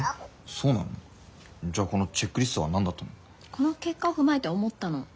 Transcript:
この結果を踏まえて思ったの。